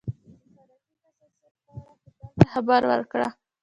د خوراکي حساسیت په اړه هوټل ته خبر ورکړه.